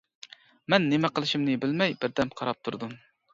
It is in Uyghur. مەن نېمە قىلىشىمنى بىلمەي بىردەم قاراپ تۇردۇم.